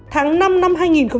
tháng năm năm hai nghìn hai mươi